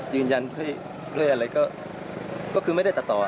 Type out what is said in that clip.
ยืนยันด้วยอะไรก็คือไม่ได้ตัดต่อ